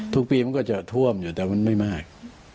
ทุกปีมันก็จะท่วมอยู่แต่มันไม่มาก